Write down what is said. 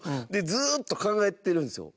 ずっと考えてるんですよ。